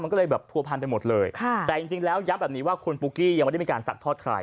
มันก็เลยแบบผัวพันไปหมดเลยค่ะแต่จริงแล้วย้ำแบบนี้ว่าคุณปุ๊กกี้ยังไม่ได้มีการสัดทอดใคร